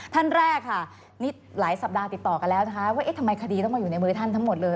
ท่านแรกค่ะนี่หลายสัปดาห์ติดต่อกันแล้วนะคะว่าเอ๊ะทำไมคดีต้องมาอยู่ในมือท่านทั้งหมดเลย